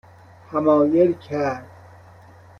حمایل کرد